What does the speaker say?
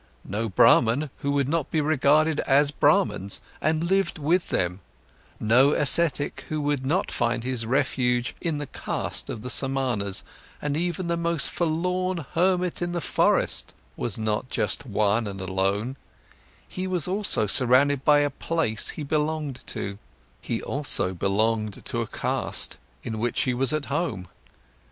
No Brahman, who would not be regarded as Brahmans and lived with them, no ascetic who would not find his refuge in the caste of the Samanas, and even the most forlorn hermit in the forest was not just one and alone, he was also surrounded by a place he belonged to, he also belonged to a caste, in which he was at home.